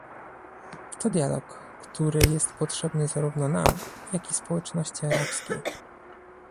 To dialog, który jest potrzebny zarówno nam, jak i społeczności arabskiej